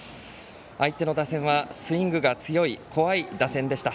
相手の打線はスイングが強い、怖い打線でした。